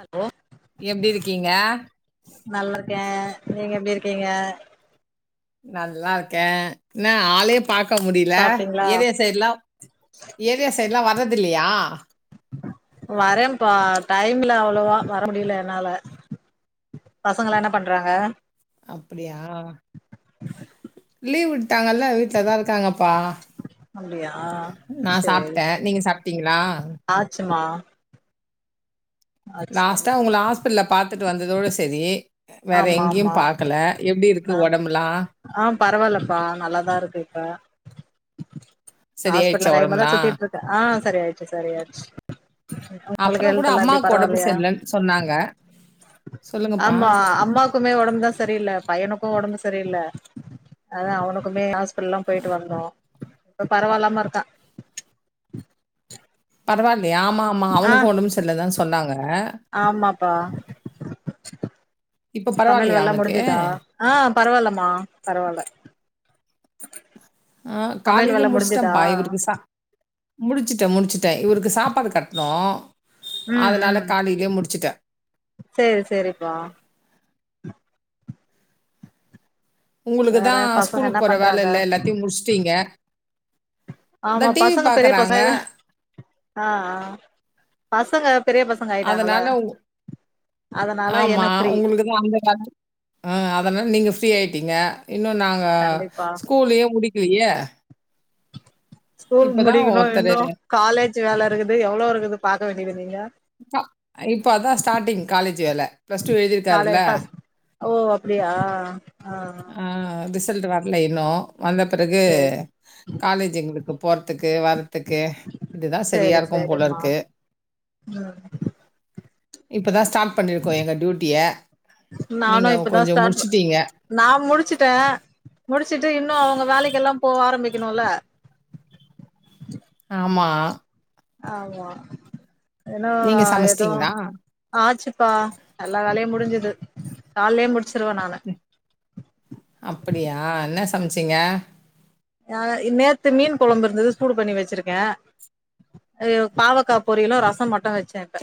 Hello எப்டி இருக்கீங்க நல்லா இருக்கே நீங்க எப்டி இருக்கீங்க நல்லா இருக்கே என்ன ஆளயே பாக்க முடில சாப்ட்டீங்களா ஏரியா சைடுலா ஏரியா சைடுலா வர்றது இல்லயா வரேன்ப்பா டைம்ல அவ்ளோவா வர முடியல என்னால பசங்களா என்ன பண்றாங்க அப்டியா லீவுட் ட்டாங்கல்லா வீட்ல தா இருக்காங்கப்பா அப்டியா நா சாப்பிட்டே நீங்க சாப்ட்டீங்களா பசங்ளா லாஸ்ட்டா உங்கள ஹாஸ்பிடல்ல பாத்துட்டு வந்ததோட சரி வேற ஆமா எங்கயு ஆமா பாக்கல எப்டி இருக்கு ஒடம்புலா பரவால்லப்பா நல்லாதா இருக்கு இப்ப சரியாயிடுச்சா ஹாஸ்பிடல் கையுமா தா உடம்புலாம்? சுத்திட்டு இருக்க ஆ சரி ஆயிச்சி சரி ஆயிச்சி இப்போ உங்களுக்கு அப்புறம் கூட ஹெல்த்ல்லா எப்டி அம்மாவுக்கு உடம்பு பரவால்லயா சரியில்லன்னு சொன்னாங்க. சொல்லுங்கப்பா. ஆமா அம்மாக்குமே ஒடம்பு தா சரியில்ல பையனுக்கு ஒடம்பு சரியில்ல அதா அவனுக்குமே ஹாஸ்பிடல்லா போயிட்டு வந்தோ இப்ப பரவால்லாம இருக்கா பரவால் ஆமா ஆமா ஆ அவனுக்கு ஒடம்பு சரியிலன்னு தா சொன்னாங்க ஆமாப்பா இப்ப சமையல் பரவாயில்லையா வேலல்லா அவனுக்கு? முடிஞ்சதா ஆ பரவால்லம்மா பரவால்ல ஆ சமையல் காலேல வேல முடிஞ்சுதா முடிச்சிட்டேன்ப்பா இவருக்கு சா முடிச்சிட்டே முடிச்சிட்டே இவருக்கு சாப்பாடு கட்டணு ம் அதனால ம் காலைலயே முடிச்சிட்டே சேரி சேரிப்பா வேற உங்களுக்குதா பசங்க ஸ்கூலுக்கு என்ன போற வேல பண்றாங்க இல்ல எல்லாத்தயு முடிச்சிட்டீங்க ஆமா பசங்க பெரிய பசங்க ஆ ஆ பச பசங்க ஆயிட்டாங்கள அதனால உங் ஆமா உங்களுக்குதா அந்த கா ஆ அதனால நீங்க ஃப்ரீ ஆயிட்டீங்க இன்னு நாங்க கண்டிப்பா ஸ்கூல்லயே முடிக்கலயே ஸ்கூல் முடிக்கணு ஒருத்தரு இன்னு காலேஜ் வேல இருக்குது எவ்ளோ இருக்குது பாக்க வேண்டியது நீங்க பா இப்ப அதா ஸ்டார்ட்டிங் காலேஜ் வேல பிளஸ் டூ எழுதிருக்காரல்ல காலேஜ் ஃபஸ்ட் ஓ அப்டியா ஆ ரிசல்ட் வர்ல இன்னு வந்த பிறகு சேரி காலேஜ் எங்களுக்கு போறதுக்கு வர்றதுக்கு இதுதா சரியா சேரி இருக்கும் சேரிம்மா போலருக்கு ம் இப்பதா ஸ்டார்ட் பண்ணிருக்கோ எங்க டூட்டிய நானு இப்பதா ஸ்டாட் நா முடிச்சுட்டே முடிச் ட்டுட்டு இன்னு அவுங்க வேலைக்கெல்லா போக ஆரம்பிக்கணுல்ல ஆமா ஆமா ஏனா நீங்க எதோ சமைச்சிட்டீங்களா? ஆச்சுப்பா எல்லா வேலயு முடிஞ்சுது கால்லயே மு அப்படியா என்ன சமச்சீங்க அ நேத்து மீன் கெழம்பு இருந்தது சூடு பண்ணி வெச்சிருக்கே இ பாவக்கா பொரியலு ரசோ மட்டு வெச்சே இப்ப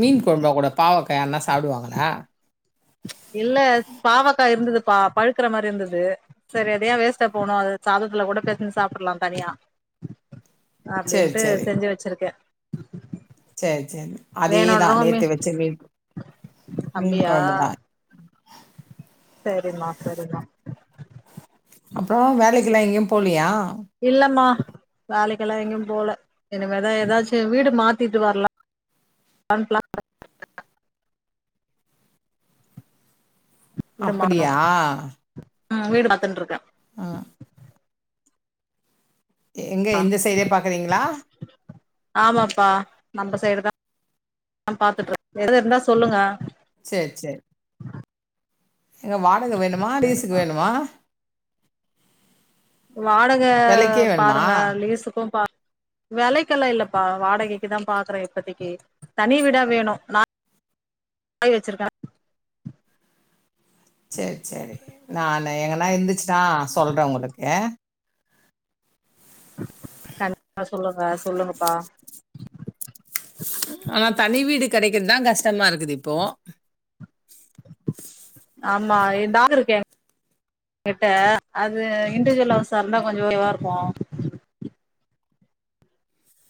மீன் கொழம்புல கூட பாவக்காய யாருனா சாப்டுவாங்ளா இல்ல பாவக்காய் இருந்ததுபா பழுக்கற மாரி இருந்தது சரி அதயே வேஸ்ட்டா போணு அது சாதத்துல கூட பெசஞ்சு சாப்பிட்டர்லா தனியா சரி, அப்டின்ட்டு செஞ்சு வெச்சிருக்கே செரி செரி அதேதா வேணுன்றவங்க மீ நேத்து வெச்ச மீன் மீன் அப்டியா கொழம்புதா சரிமா சரிமா அப்புறோ வேலைக்கெல்லா எங்கயு போலியா இல்லமா வேலைக்கெல்லா எங்கயு போல இனிமேதா எதாச்சு வீடு மாத்திட்டு வர்லா னு ப்ளான் [inaudible] வீடு மாறணு அப்படியா ம் வீடு பாத்துண்டு இருக்க அ எங்க எந்த சைடே பாக்குறீங்ளா ஆமாப்பா நம்ம சைடுதா பாத்துட்டு எது இருந்தா சொல்லுங்க செரி செரி எங்க வாடக வேணுமா லீசுக்கு வேணுமா வாடக விலைக்கே வேணுமா? பாருங்க லீஸுக்கு பா வெலைக்கெல்லா இல்லப்பா வாடகைக்குதான் பாக்கற இப்பத்திக்கு தனி வீடா வேணு நா ஆய வெச்சிருக்க சரி சரி நானு எங்கன்னா இருந்துச்சுன்னா சொல்ற உங்களுக்கு கண்டிப்பா சொல்லுங்க சொல்லுங்கப்பா ஆனா தனி வீடு கெடைக்கிறதுதா கஷ்டமா இருக்குது இப்போ ஆமா இந்தாலு இருக்கே கிட்ட அது இண்டுவிஜுவ லா சார்ந்தா கொஞ்சோ இதுவா இருக்கு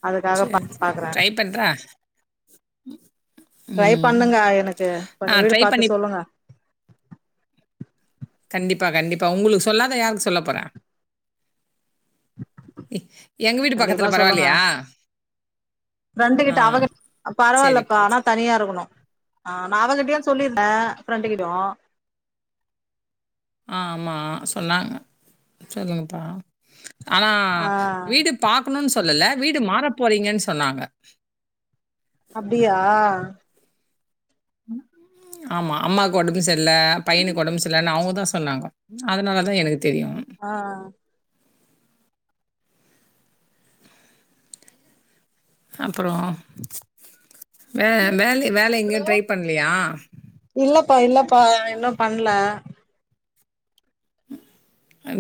அதுக்காக பா சேரி சேரி பாக்குறே ட்ரை பண்ற ட்ரை பண்ணுங்க எனக்கு ஆ கொஞ்சோ வீடு ட்ரை பாத்து பண்ணி சொல்லுங்க கண்டிப்பா கண்டிப்பா உங்களுக்கு சொல்லாத யாருக்கு சொல்ல போற எங்க வீட்டு கண்டிப்பா பக்கத்துல சொல்லுங்க பரவாயில்லையா ஃப்ரெண்டு ஆ கிட்ட அவகி பரவாயில்லப்பா சேரிப்பா ஆனா சேரி தனியா இருக்கணு ஆ நா அவகிட்டயு சொல்லிருந்தே ஃப்ரெண்டு கிட்டயு ஆமா சொன்னாங்க சொல்லுங்ப்பா ஆனா ஆ வீடு பாக்கணுன்னு சொல்லல வீடு மாற போறீங்கன்னு சொன்னாங்க அப்டியா ஆமா அம்மாக்கு உடம்பு சரில பையனுக்கு உடம்பு சரில்ல அவங்கதான் சொன்னாங்க அதனால தான் எனக்கு தெரியும் ஆஹ் ‌ஹா அப்புறோம் வே வேலை வேலை எங்கையும் ட்ரை பண்ணலியா ப்பா இல்லப்பா இன்னும் பண்ணல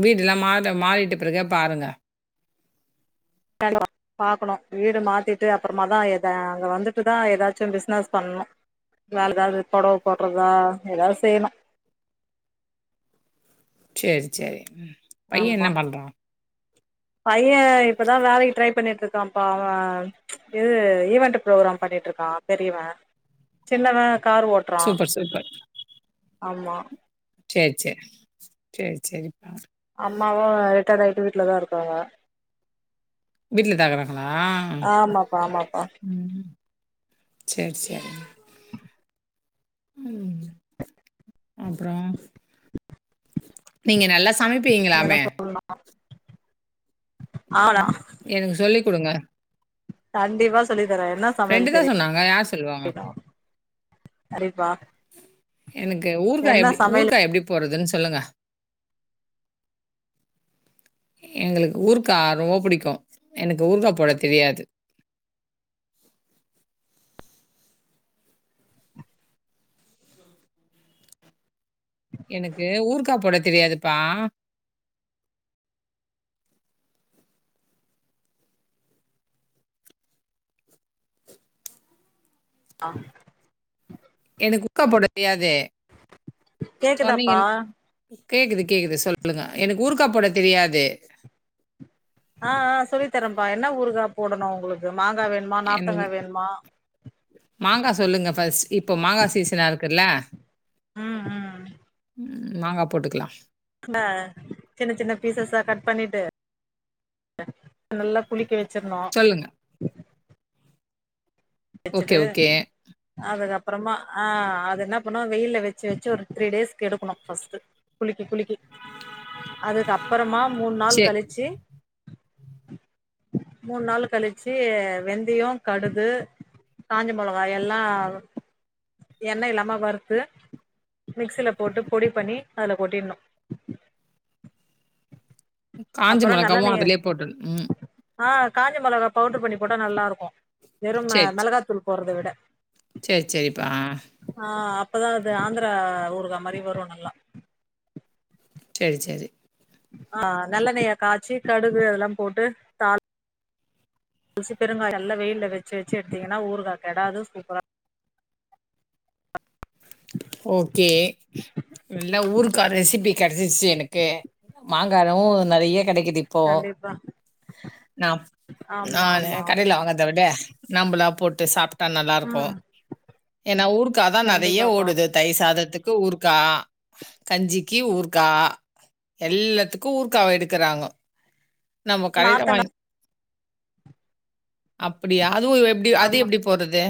வீட்டுல்லாம் மாற மாறிட்டு பிறகு பாருங்க [unintelligible] பாக்கணும் வீடு மாத்திட்டு அப்புறமாதான் எ அங்க வந்துட்டுதான் ஏதாச்சும் பிசினஸ் பண்ணனும் வேல ஏதாவது புடவை போடுறதா ஏதாவது செய்யணும் செரி செரி பையன் என்ன பண்றான் பையன் இப்போதான் வேலைக்கு ட்ரை பண்ணிட்டு இருக்கான்ப்பா அவன் இது ஈவென்ட் ப்ரோக்ராம் பண்ணிட்டு இருக்கா பெரியவன் சின்னவன் சூப்பர் சூப்பர் ஆமா சரி சரி சரி சரிப்பா அம்மாவும் ரிட்டையர்ட் ஆயிட்டு வீட்டுலதான் இருக்காங்க வீட்லதாகிறாங்களா ஆமாப்பா ஆமாப்பா ம் செர் செரி ம் அப்புறோம் நீங்க நல்லா என்ன சமைப்பீங்களாமே சொல்லணு ஆனா ம் எனக்கு சொல்லி கொடுங்க கண்டிப்பா சொல்லி தரேன் என்ன சமையல் தான் சொன்னாங்க. யார் சொல்லுவாங்க? தெரியன்னும் கண்டிப்பா சரிப்பா எனக்கு ஊர்கா எப்படி சமையல் ஊர்கா எப்டி போறதுன்னு சொல்லுங்க எங்களுக்கு ஊர்க்கா ரொம்ப புடிக்கும் எனக்கு ஊர்க்க போட தெரியாது எனக்கு ஊர்க்கா போட தெரியாதுப்பா ஆ எனக்கு உக்கா போட தெரியாது சொன்னீங்க கேக்குதாப்பா எதோ கேக்குது கேக்குது சொல்ல சொல்லுங்க எனக்கு ஊருக்கா போட தெரியாது ஆ ஆ சொல்லித்தரேன்ப்பா என்ன ஊருக்கா போடணும் உங்களுக்கு மாங்கா வேணுமா எனக்கு நாத்தங்கா வேணுமா மாங்கா சொல்லுங்க ஃபர்ஸ்ட் இப்போ மாங்கா சீசன்னா இருக்குல்ல ம் ம் மாங்கா போட்டுக்கலாம் ம சின்ன சின்ன பீசஸ்சா கட் பண்ணிட்டு நல்லா குலுக்கி வச்சுரணும் சொல்லுங்க. ஓகே, வச்சுட்டு ஓகே. அதுக்கப் புறமா ஆ அது என்ன பண்ணும் வெயில்ல வச்சி வச்சி ஒரு த்ரீ டேஸ்க் எடுக்கணும் ஃபர்ஸ்ட் குலுக் கி குலுக்கி அதுக்கு அப்புறமா மூணு நாள் சரி. கழிச்சி மூணு நாள் கழிச்சி வெந்தயம் கடுகு காஞ்ச மிளகாய் எல்லாம் எண்ணெய் இல்லாம வறுத்து மிக்ஸில போட்டு பொடி பண்ணி அதுல கொட்டிடணும் காஞ்ச மிளகாவும் நல்லெண்ணய அதிலே போட்டுன்னும் ம் ஆ காஞ்ச மிளகா பவுடர் பண்ணி போட்டால் நல்லாருக்கும் வெறும் மிளகாத்தூள் போடுறத விட செர் செரிப்பா ஆ அப்பதான் அது ஆந்திரா ஊருகா மாரி வரும் நல்லா சரி சரி ஆ நல்லெண்ணைய காய்ச்சி கடுகு அதெல்லாம் போட்டு தாள் சி பெருங்காயம் எல்லாம் வெயில்ல வச்சி வச்சி எடுத்தீங்கன்னா ஊறுக்கா கெடாது சூப்பரா ஓகே. நல்ல ஊர்கா ரெசிபி கிடைச்சிச்சு எனக்கு மாங்காவும் நிறைய கிடைக்குத் இப்போ கண்டிப்பா நான் ஆமா நானு ஆமா கடைல வாங்கிறத விட நம்மளா போட்டு சாப்பிட்டா நல்லா ம் இருக்கும் ஏன்னா ஊறுக்காதான் நிறைய ஓ கண்டிப்பாப்பா தயிர் சாதத்துக்கு ஊறுக்கா கஞ்சிக்கு ஊறுகா எல்லாத்துக்கும் ஊறுக்காவ எடுக்கறாங்க நம்ம கடைல நார்த்தங்கா வாங் அப்படியா அதுவு அது ஆமா எப்டி போடுறது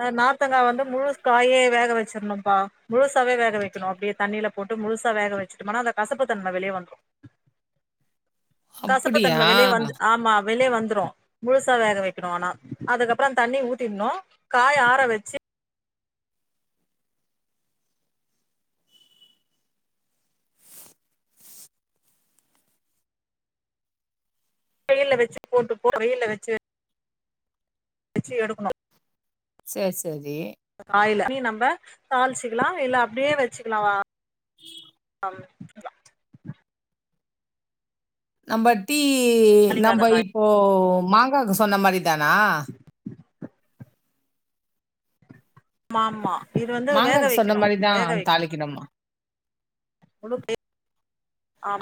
அ நார்த்தங்கா வந்து முழு காயே வேக வச்சிடணும் ப்பா முழுசாவே வேக வைக்கணும் அப்படியே தண்ணியில போட்டு முழுசா வேக வச்சுட்டோம்னா அந்த கசப்பு தன்மை வெளிய வந்துரும் [inaudible] அப்படியா கசப்புத்தன்மை வெளியே வந்து ஆமா வெளியே வந்துரும் முழுசா வேக வை ஆனா அதுக்கப்புறம் அந்த தண்ணிய ஊத்திடனும் காய்ய ஆற வெச்சு வெயில்ல வச்சு போட்டு போ வெயில்ல வச்சு வெச்சி எடுக்கணும் சரி சரி நீ நம்ப தாளிச்சுக்கலாம் இல்ல அப்படியே வச்சுக்கலாமா [inaudible] நம்ப டீ தாளிக்காத நம்ப காய் இப்போ மாங்காக்கு சொன்ன மாரி தானா மாம்மா இது வந்து வேக மாங்காக்கு சொன்ன வைக்கணும் மாரிதா வேக வைக்கணும் தாளிக்கணுமா முழுகாயே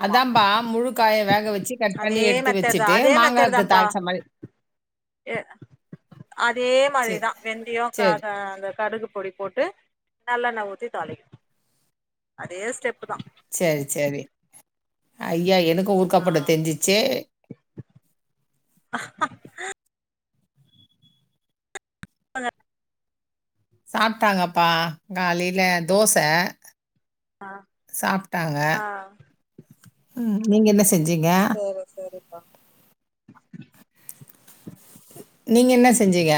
அதான்ம்பா முழுக்காய வேக வச்சு கட் பண்ணி அதே எடுத்து மெத்தட் தா வச்சுட்டு அதே மெத்தட் மாங்காயிக்கு தான்ப்பா தாள்ச்ச மாரி [inaudible] அதே சே மாதிரிதான் வெந்தியோ சேரி காக அந்த கடுகு பொடி போட்டு நல்லெண்ணெய் ஊத்தி தாளிக்கனும் அதே ஸ்டெப்பு தான் சரி சரி ஐயா எனக்கும் ஆ ஊறுகாப்போட தெரிஞ்சிச்சே அந்த சாப்பிட்டாங்கப்பா காலைல தோச ஆ சாப்பிட்டாங்க ஆ நீங்க என்ன செ சரி சரிப்பா நீங்க என்ன செஞ்சீங்க?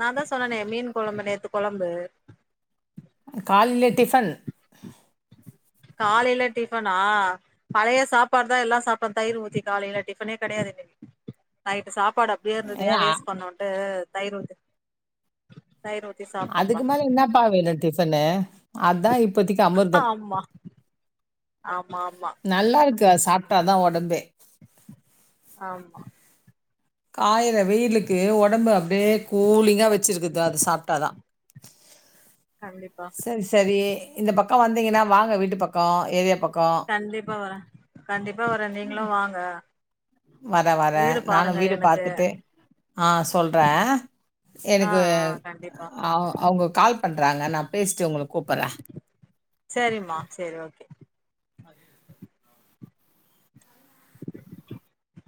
நான் தான் சொன்னேனே மீன் கொழம்பு நேத்து கொழம்பு காலைல டிஃபன் காலையில டிஃபனா பழைய சாப்பாடு தான் எல்லாம் சாப்டோம் தயிர் ஊத்தி காலையில டிஃபனே கிடையாது இனி [inaudible] நைட்டு சாப்பாடு அப்படியே இருந்தது ஏன் வேஸ்ட் பண்ணோன்ட்டு தயிர் ஊத்தி தயிர் ஊத்தி சாப்ட்டோம்பா அதுக்கு மேல இன்னாப்ப வேணும் டிஃபனு அதான் இப்பதிக்கு அமிர்தம் ஆமா ஆமா ஆமா நல்லா இருக்கு சாப்பிட்டாதான் உடம்பே ஆம்மா காயுற வெயிலுக்கு உடம்பு அப்படியே கூலிங்கா வச்சிருக்குது அது சாப்பிட்டாதான் கண்டிப்பா சரி சரி இந்த பக்கம் வந்தீங்கன்னா வாங்க வீட்டு பக்கம் ஏரியா பக் கண்டிப்பா வரேன் கண்டிப்பா வரேன் நீங்களும் வாங்க வரே வரே வீடு நானும் பாருங்க வீடு எனக்கு பார்த்துட்டு ஆஹ் சொல்றேன் ஆ எனக்கு ஆ கண்டிப்பா ஆ அவ் அவங்க கால் பண்றாங்க நா பேசிட்டு ஒங்கள கூப்புறே சரிமா சரி ஓகே [inaudible]